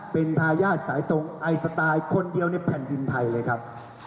เป็นทายาทสายตรงไอสไตล์คนเดียวในแผ่นดินไทยเลยครับ